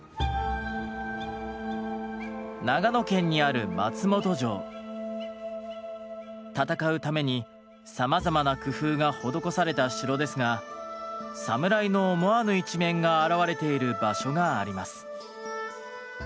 長野県にある戦うためにさまざまな工夫が施された城ですがサムライの思わぬ一面が表れている場所があります。